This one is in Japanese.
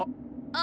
あ。